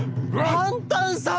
パンタンさん